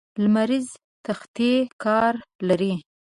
لمریزې تختې کار لري.